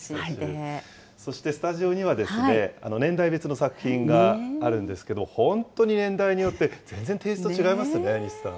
そしてスタジオには、年代別の作品があるんですけど、本当に年代によって全然テイスト、違いますね、西さん。